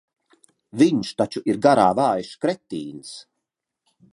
Viņš taču ir garā vājš kretīns.